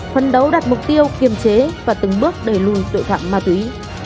phân đấu đạt mục tiêu kiềm chế và từng bước đẩy lùi tội phạm ma túy